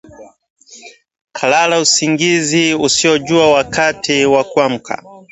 Kalala usingizi usiojua wakati wa kuamka